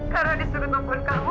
karena disuruh nungguin kamu